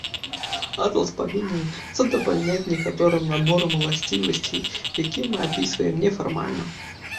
Атлас павінен задавальняць некаторым наборам уласцівасцей, які мы апісваем нефармальна.